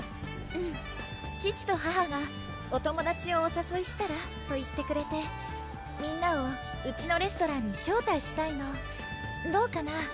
うん父と母がお友達をおさそいしたらと言ってくれてみんなをうちのレストランに招待したいのどうかな？